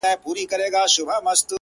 اوس مي د كلي ماسومان ځوروي ـ